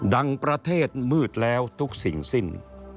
ประเทศมืดแล้วทุกสิ่งสิ้น